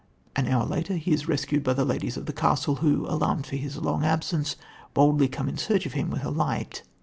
An hour later he is rescued by the ladies of the castle, who, alarmed by his long absence, boldly come in search of him with a light.